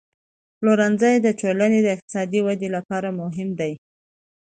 پلورنځی د ټولنې د اقتصادي ودې لپاره مهم دی.